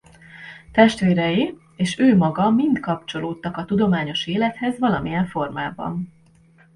Testvérei és ő maga mind kapcsolódtak a tudományos élethez valamilyen formában.